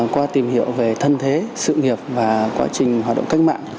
qua tìm hiểu về thân thế sự nghiệp và quá trình hoạt động cách mạng